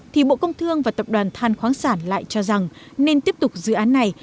thì bộ công thương và tập đoàn than khoáng sản lại cho rằng nên tiếp tục dự án này